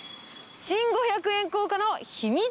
新五百円硬貨の秘密